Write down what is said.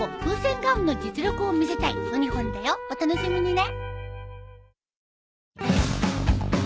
お楽しみにね。